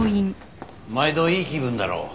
毎度いい気分だろう。